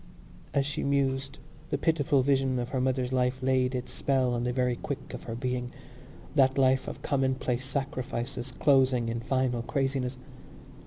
As she mused the pitiful vision of her mother's life laid its spell on the very quick of her being—that life of commonplace sacrifices closing in final craziness.